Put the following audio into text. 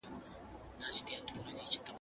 که واکمن عادل وي خلک به يې امر ومني.